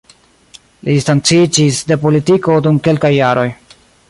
Li distanciĝis de politiko dum kelkaj jaroj.